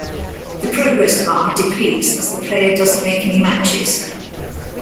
The progress bar depletes as the player doesn't make any matches.